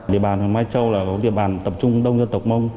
địa bàn huyện mai châu là một địa bàn tập trung đông dân tộc mông